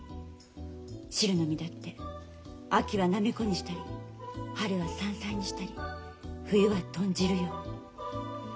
汁の実だって秋はなめこにしたり春は山菜にしたり冬は豚汁よ。